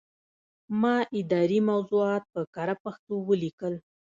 ما اداري موضوعات په کره پښتو ولیکل.